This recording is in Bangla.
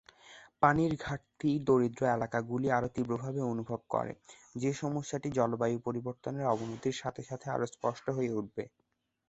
পানির ঘাটতি দরিদ্র এলাকাগুলি আরও তীব্রভাবে অনুভব করে, যেই সমস্যাটি জলবায়ু পরিবর্তনের অবনতির সাথে সাথে আরও স্পষ্ট হয়ে উঠবে।